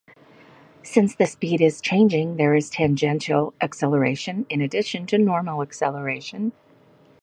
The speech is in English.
Since the speed is changing, there is tangential acceleration in addition to normal acceleration.